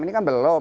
ini kan belum